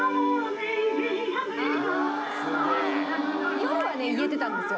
「夜」はね言えてたんですよ。